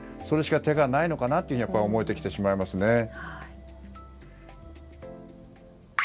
それしか手がないのかなと思えてきてしまいますね。